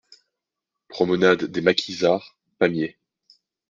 Promenade des Maquisards, Pamiers